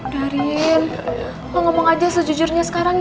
darin lo ngomong aja sejujurnya sekarang ya